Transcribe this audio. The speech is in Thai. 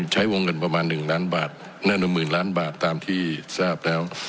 ใช้วงเงินประมาณ๑ล้านบาทแน่นอนหมื่นล้านบาทตามที่ทราบแล้ว